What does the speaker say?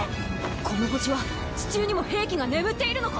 この星は地中にも兵器が眠っているのか？